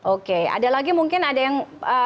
oke ada lagi mungkin ada yang